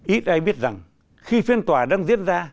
ít ai biết rằng khi phiên tòa đang diễn ra